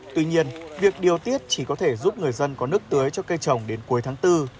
tuy nhiên việc điều tiết chỉ có thể giúp người dân có nước tưới cho cây trồng đến cuối tháng bốn